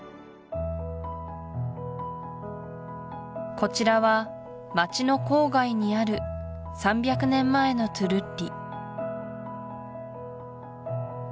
こちらは町の郊外にある３００年前のトゥルッリ